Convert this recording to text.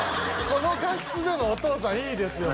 この画質でのお父さんいいですよ